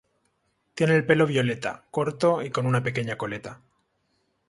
Tiene el pelo violeta, corto y con una pequeña coleta.